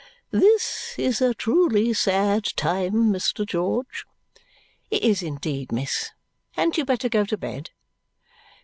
"This is a truly sad time, Mr. George." "It is indeed, miss. Hadn't you better go to bed?"